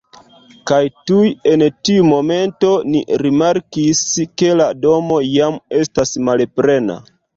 Kaj tuj en tiu momento ni rimarkis, ke la domo jam estas malplena